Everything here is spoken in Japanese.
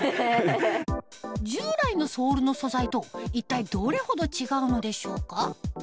従来のソールの素材と一体どれほど違うのでしょうか？